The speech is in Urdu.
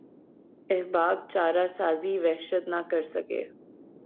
احباب چارہ سازی وحشت نہ کرسکے